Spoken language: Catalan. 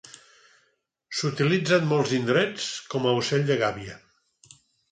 S'utilitza a molts indrets com ocell de gàbia.